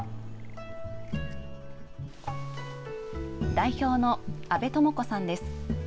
代表の阿部智子さんです。